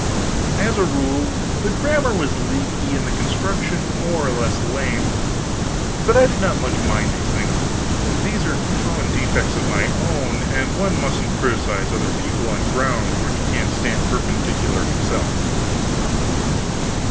As a rule, the grammar was leaky and the construction more or less lame; but I did not much mind these things. They are common defects of my own, and one mustn't criticise other people on grounds where he can't stand perpendicular himself.